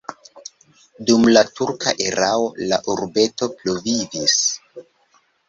Dum la turka erao la urbeto pluvivis.